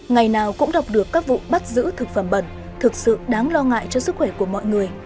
ngày nào cũng đọc được các vụ bắt giữ thực phẩm bẩn thực sự đáng lo ngại cho sức khỏe của mọi người